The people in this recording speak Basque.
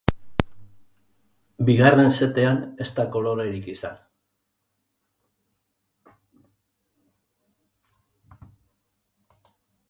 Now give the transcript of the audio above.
Bigarren setean ez da kolorerik izan.